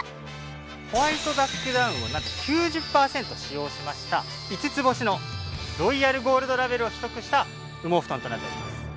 ホワイトダックダウンをなんと９０パーセント使用しました５つ星のロイヤルゴールドラベルを取得した羽毛布団となっております。